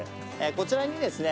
こちらにですね